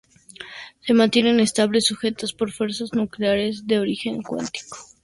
Se mantienen estables sujetas por fuerzas nucleares de origen cuántico.